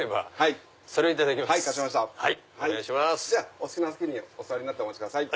お好きなお席にお座りになってお待ちください。